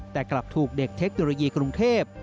แต่กลับถูกเด็กเทคโนโลยีกรุงเทพ